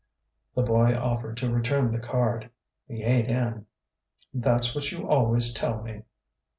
The boy offered to return the card: "He ain't in." "That's what you always tell me."